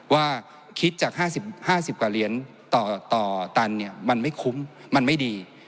ว่าคิดจาก๕๐กว่าเหรียญต่อตันมันไม่คุ้มมันไม่ดี